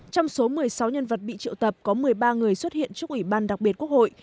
trong số một mươi sáu nhân vật bị triệu tập có một mươi ba người xuất hiện trước ủy ban đặc biệt quốc hội